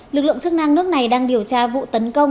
lực lượng chức năng nước này đang điều tra vụ tấn công